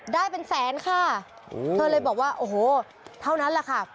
ได้เป็นแสนค่ะเธอเลยบอกว่าโอ้โหเท่านั้นแหละค่ะ